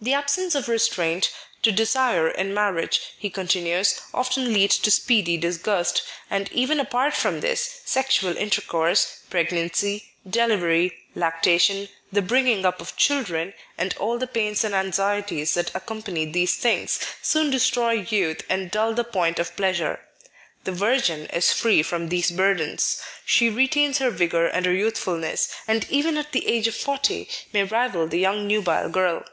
The absence of restraint to desire in marriage, he continues, often leads to speedy disgust, and even apart from this, sexual intercourse, pregnancy, delivery, lac tation, the bringing up of children, and all the pains and anxieties that accompany these things, soon destroy youth and dull the point of pleasure. The virgin is free from these burdens. She retains her vigour and her youthfulness, and even at the age of forty may rival the young nubile girl.